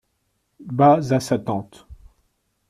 Bas à sa tante.